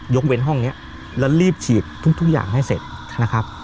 เว้นห้องนี้แล้วรีบฉีดทุกอย่างให้เสร็จนะครับ